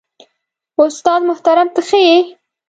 استاد محترم ته ښه يې؟